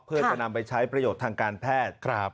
เพื่อจะนำไปใช้ประโยชน์ทางการแพทย์